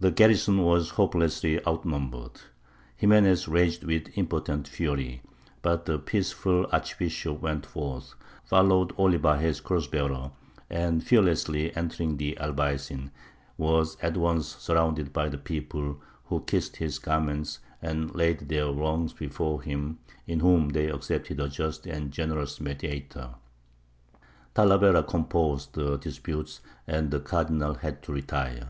The garrison was hopelessly outnumbered; Ximenes raged with impotent fury; but the peaceful archbishop went forth, followed only by his cross bearer, and, fearlessly entering the Albaycin, was at once surrounded by the people, who kissed his garments, and laid their wrongs before him in whom they accepted a just and generous mediator. Talavera composed the disputes, and the Cardinal had to retire.